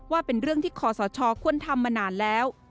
เป็นเรื่องที่ขอสชควรทำมานานแล้ว